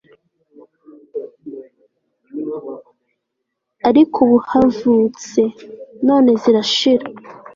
ariko ubu havutse, none zirashira